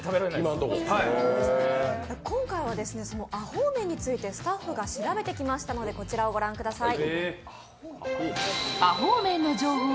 今回はアホーメンについてスタッフが調べてきましたのでこちらをご覧ください。